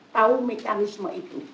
tau mekanisme itu